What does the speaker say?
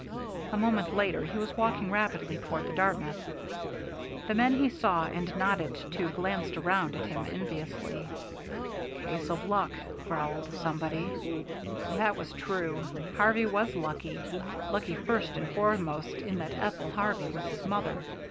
A moment later he was walking rapidly toward the Dartmouth. The men he saw and nodded to glanced round at him enviously. "Case of luck," growled somebody. That was true. Harvey was lucky; lucky first and foremost in that Ethel Harvey was his mother.